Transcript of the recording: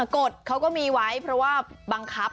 กฎเขาก็มีไว้เพราะว่าบังคับ